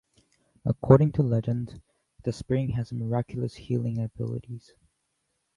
According to legend, the spring has miraculous healing abilities.